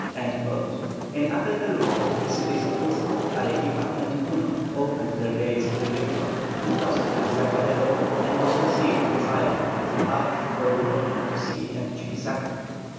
In Upper Peru the cities of Cuzco, Arequipa, and Puno opened their gates to the victor, who crossed the Desaguadero, and was received in triumph at La Paz, Oruro, Potosí, and Chuquisaca.